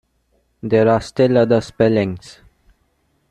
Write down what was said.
There are still other spellings.